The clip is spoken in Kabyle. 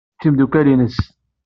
Ḥemmlen-tt yimeddukal-nnes.